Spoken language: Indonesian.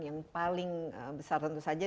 yang paling besar tentu saja